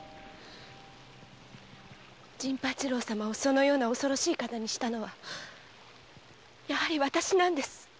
陣八郎様をそのような恐ろしい方にしたのはやはり私です。